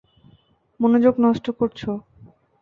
মনোযোগ নষ্ট করছো।